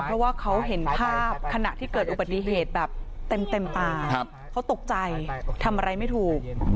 เพราะว่าเขาเห็นภาพขณะที่เกิดอุบัติเหตุแบบเต็มตาเขาตกใจทำอะไรไม่ถูก